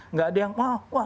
nggak ada yang wah wah